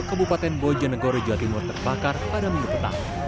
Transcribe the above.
kebupaten bojonegoro jawa timur terbakar pada minggu petang